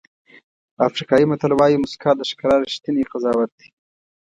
افریقایي متل وایي موسکا د ښکلا ریښتینی قضاوت دی.